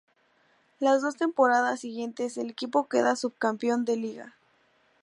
Las dos temporadas siguientes el equipo queda subcampeón de liga.